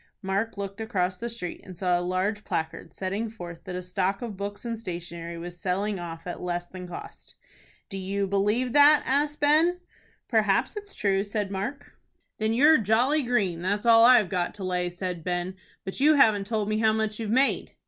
Mark looked across the street, and saw a large placard, setting forth that a stock of books and stationery was selling off at less than cost. "Do you believe that?" asked Ben. "Perhaps it's true," said Mark. "Then you're jolly green, that's all I've got to lay," said Ben. "But you haven't told me how much you've made."